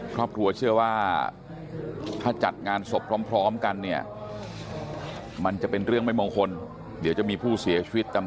ครอบครัวเชื่อว่าถ้าจัดงานศพพร้อมกันเนี่ย